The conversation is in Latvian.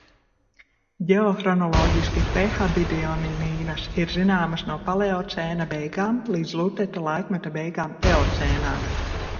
Ģeohronoloģiski prehapidioninīnas ir zināmas no paleocēna beigām līdz luteta laikmeta beigām eocēnā.